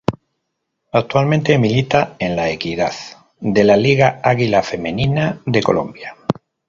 Actualmente milita en La Equidad de la Liga Águila Femenina de Colombia.